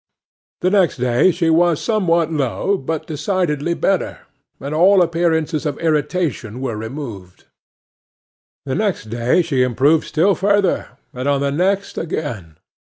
The next day she was somewhat low, but decidedly better, and all appearances of irritation were removed. The next day she improved still further, and on the next again.